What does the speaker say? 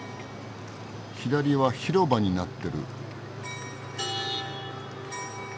左は広場になってる。